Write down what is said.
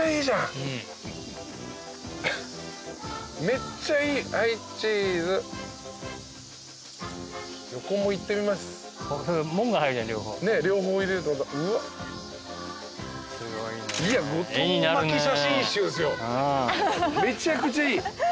めちゃくちゃいい。